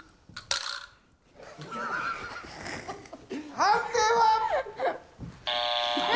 判定は！え⁉